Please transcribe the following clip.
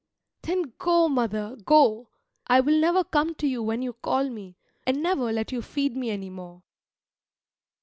Then go, mother, go! I will never come to you when you call me, and never let you feed me any more.